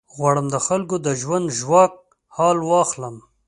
غواړم د خلکو د ژوند ژواک حال واخلم.